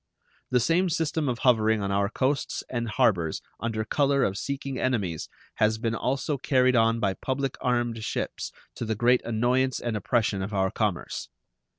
The same system of hovering on our coasts and harbors under color of seeking enemies has been also carried on by public armed ships to the great annoyance and oppression of our commerce.